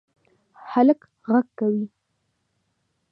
هلک غږ کوی